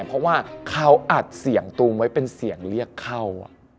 เพราะว่าเขาอัดเสียงตูมไว้เป็นเสียงเรียกเข้า